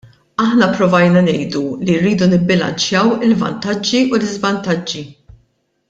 Aħna pprovajna ngħidu li rridu nibbilanċjaw il-vantaġġi u l-iżvantaġġi.